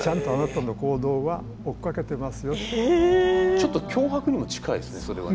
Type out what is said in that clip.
ちょっと脅迫にも近いですねそれはね。